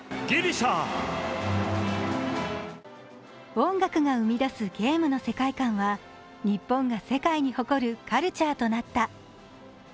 音楽が生み出すゲームの世界観は、日本が世界に誇るカルチャーとなった。